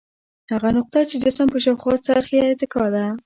هغه نقطه چې جسم په شاوخوا څرخي اتکا ده.